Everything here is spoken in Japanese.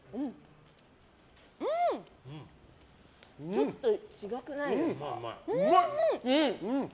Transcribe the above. ちょっと違くないですか。